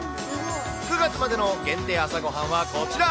９月までの限定朝ごはんはこちら。